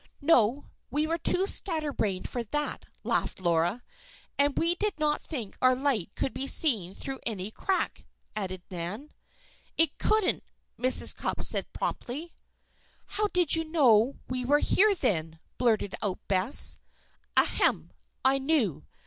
"No. We were too scatterbrained for that," laughed Laura. "And we did not think our light could be seen through any crack," added Nan. "It couldn't," Mrs. Cupp said promptly. "How how did you know we were here, then?" blurted out Bess. "Ahem! I knew.